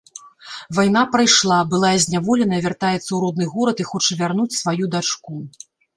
Вайна прайшла, былая зняволеная вяртаецца ў родны горад і хоча вярнуць сваю дачку.